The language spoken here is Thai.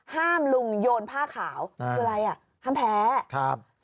ห้ามลุงโยนผ้าขาวคืออะไรอ่ะห้ามแพ้ครับ